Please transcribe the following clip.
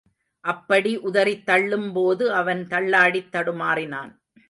அப்படி உதறித் தள்ளும்போது அவன் தள்ளாடித் தடுமாறினான்.